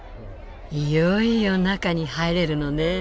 いよいよ中に入れるのね。